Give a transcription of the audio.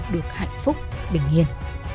được hạnh phúc bình yên